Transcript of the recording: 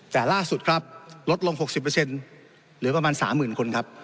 แต่ล่าสุดครับลดลง๖๐เหลือประมาณ๓๐๐๐คนครับ